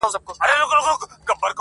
د وزر او د لکۍ په ننداره سو،